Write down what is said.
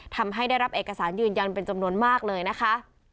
ทำให้ได้รับเอกสารยืนยันเป็นจำนวนมากเลยนะคะ